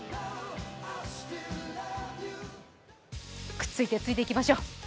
くっついてついていきましょう。